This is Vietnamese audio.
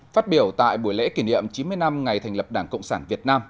phát biểu tại buổi lễ kỷ niệm chín mươi năm ngày thành lập đảng cộng sản việt nam